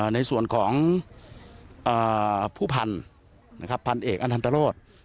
ในส่วนของผู้พันธุ์พันธุ์เอกอาณรถนรถ